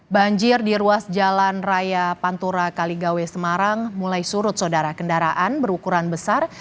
banjir di ruas jalan raya pantura kaligawe semarang mulai surut saudara kendaraan berukuran besar